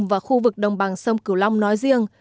và khu vực đồng bằng sông cửu long nói riêng